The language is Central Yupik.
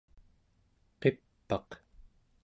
qip'aq